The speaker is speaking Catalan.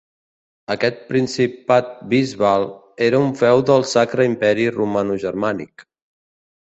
Aquest principat bisbal era un feu del Sacre Imperi Romanogermànic.